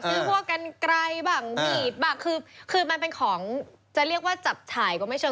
คือพวกกันไกลบ้างบีบบ้างคือมันเป็นของจะเรียกว่าจับฉายก็ไม่เชิง